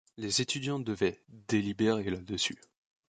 Les étudiants devaient « délibérer » là-dessus.